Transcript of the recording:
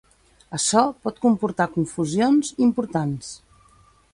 Açò pot comportar confusions importants.